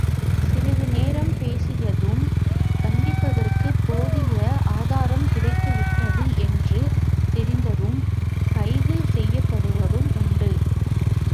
சிறிது நேரம் பேசியதும், தண்டிப்பதற்குப் போதிய ஆதாரம கிடைத்துவிட்டது என்று தெரிந்ததும் கைது செய்யப்படுவதும் உண்டு.